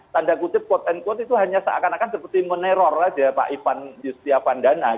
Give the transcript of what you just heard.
tanda kutip quote unquote itu hanya seakan akan seperti meneror aja pak ivan yustiavandana